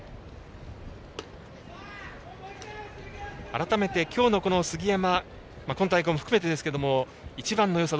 改めて今日の杉山今大会も含めてですが一番のよさ